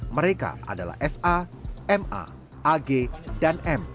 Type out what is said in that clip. mereka adalah sa ma ag dan m